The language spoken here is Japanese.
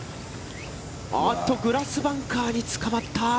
ああっと、グラスバンカーにつかまった。